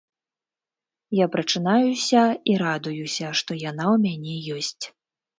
Я прачынаюся і радуюся, што яна ў мяне ёсць.